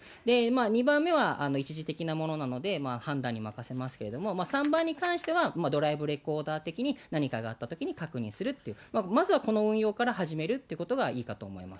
２番目は、一時的なものなので判断に任せますけれども、３番に関しては、ドライブレコーダー的に、何かがあったときに確認するっていう、まずはこの運用から始めるということがいいかと思います。